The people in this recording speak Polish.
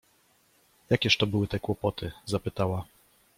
— Jakież to były te kłopoty? — zapytała.